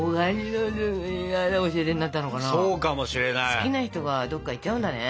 好きな人がどっか行っちゃうんだね。